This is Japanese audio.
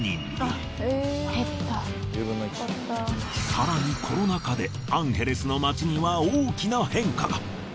更にコロナ禍でアンヘレスの街には大きな変化が。